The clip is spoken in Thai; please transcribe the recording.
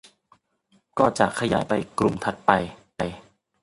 ก็จะขยายไปกลุ่มถัดไป